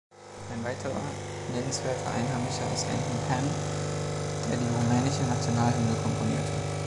Ein weiterer nennenswerter Einheimischer ist Anton Pann, der die rumänische Nationalhymne komponierte.